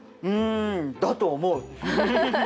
うんだと思う。